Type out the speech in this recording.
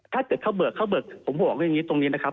ถ้าเกิดเขาเบิกเขาเบิกผมบอกอย่างนี้ตรงนี้นะครับ